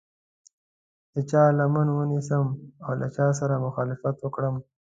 د چا لمنه ونیسم او له چا سره مخالفت وکړم.